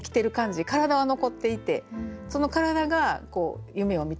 体は残っていてその体が夢を見ている。